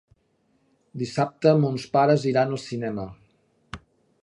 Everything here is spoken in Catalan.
Dissabte mons pares iran al cinema.